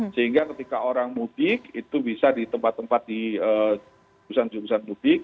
sehingga ketika orang mudik itu bisa di tempat tempat di jurusan jurusan mudik